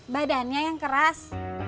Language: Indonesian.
badannya yang keras